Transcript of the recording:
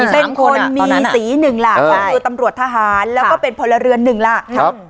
เป็นคนมีสีหนึ่งล่ะก็คือตำรวจทหารแล้วก็เป็นพลเรือนหนึ่งล่ะ